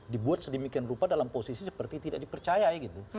dibuat sedemikian rupa dalam posisi seperti tidak dipercayai gitu